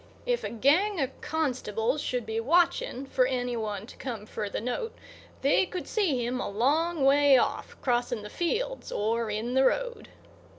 If a gang of constables should be watching for any one to come for the note they could see him a long way off crossing the fields or in the road.